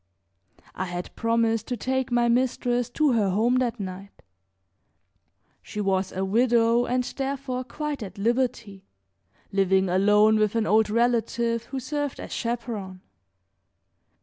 I had promised to take my mistress to her home that night. She was a widow and therefore quite at liberty, living alone with an old relative who served as chaperon.